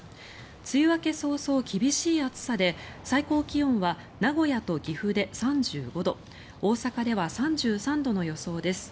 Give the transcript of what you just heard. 梅雨明け早々、厳しい暑さで最高気温は名古屋と岐阜で３５度大阪では３３度の予想です。